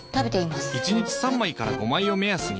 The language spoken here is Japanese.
１日３枚から５枚を目安に。